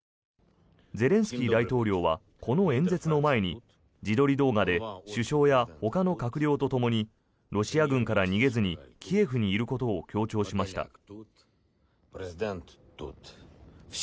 ゼレンスキー大統領はこの演説の前に自撮り動画で首相やほかの閣僚とともにロシア軍から逃げずにキエフにいることを強調しました。